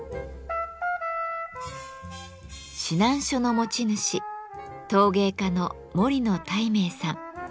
指南書の持ち主陶芸家の森野泰明さん。